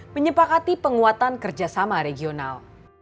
menyepakati penguatan kerjasama regional